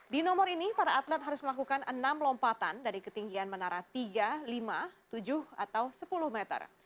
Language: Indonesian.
di nomor ini para atlet harus melakukan enam lompatan dari ketinggian menara tiga lima tujuh atau sepuluh meter